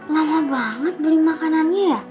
layak banget beli makanannya ya